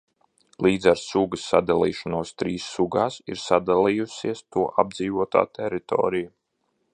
Līdz ar sugas sadalīšanos trīs sugās, ir sadalījusies to apdzīvotā teritorija.